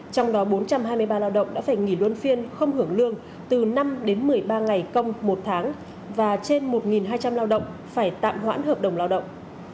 trong đó bốn trăm hai mươi ba lao động đã phải nghỉ luân phiên không hưởng lương từ năm đến một mươi ba ngày công một tháng và trên một hai trăm linh lao động phải tạm hoãn hợp đồng lao động